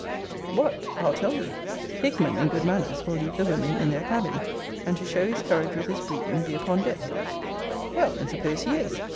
What! I'll tell thee Hickman, in good manners, will leave the women in their cabin and, to show his courage with his breeding, be upon deck Well, and suppose he is!